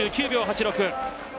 ２９秒８６。